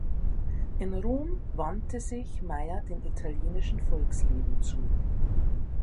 In Rom wandte sich Meyer dem italienischen Volksleben zu.